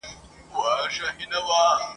لقمانه ډېر به راوړې د خپل عقل مرهمونه !.